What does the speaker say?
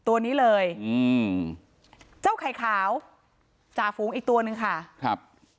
ตัวนี้เลยอืมเจ้าไข่ขาวจ่าฝูงอีกตัวนึงค่ะครับ